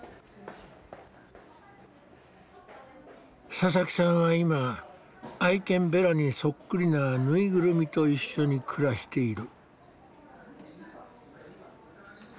佐々木さんは今愛犬ベラにそっくりなぬいぐるみと一緒に暮らしている。